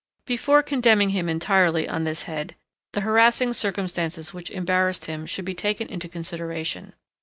Before condemning him entirely on this head, the harassing circumstances which embarrassed him should be taken into consideration.